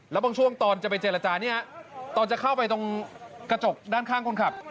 แล้วบางช่วงตอนจะไปเจรจาเนี่ยตอนจะเข้าไปตรงกระจกด้านข้างคนขับ